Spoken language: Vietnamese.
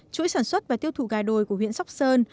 chuỗi sản xuất và tiêu thụ gà đồi của huyện sóc sơn